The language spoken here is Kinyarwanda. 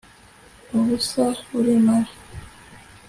ubusa burimara